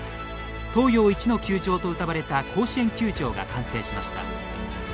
東洋一の球場とうたわれた甲子園球場が完成しました。